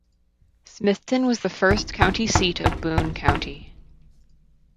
Smithton was the first county seat of Boone County.